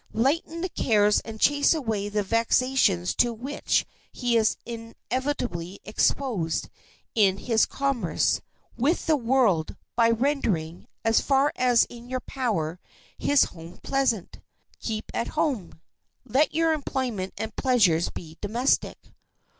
Lighten the cares and chase away the vexations to which he is inevitably exposed in his commerce with the world by rendering, as far as is in your power, his home pleasant. Keep at home. Let your employment and pleasures be domestic.